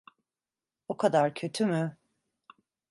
O kadar kötü mü?